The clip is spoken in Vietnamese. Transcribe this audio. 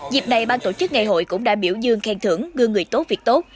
dịp này ban tổ chức ngày hội cũng đã biểu dương khen thưởng gương người tốt việc tốt